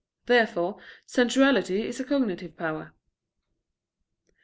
Therefore sensuality is a cognitive power.